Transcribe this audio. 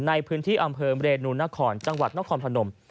ในพื้นที่อำเภอเมรินุนาคอนจังหวัดน้องคอนพนม